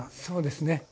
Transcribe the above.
そうですね。